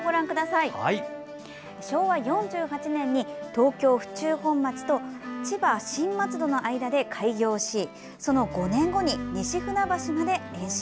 昭和４８年に東京・府中本町と千葉・新松戸の間で開業しその５年後に西船橋まで延伸。